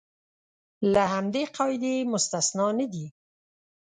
له همدې قاعدې مستثنی نه دي.